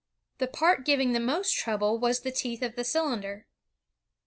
The part giving the most trouble was the teeth of the cylinder.